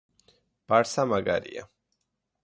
ბარსა მაგარია